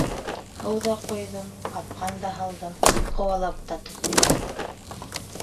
— Һыу ҙа ҡойҙом, ҡапҡан да һалдым, ҡыуалап та тоттом.